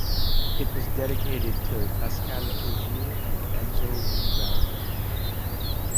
It was dedicated to Pascale Ogier and Enzo Ungari.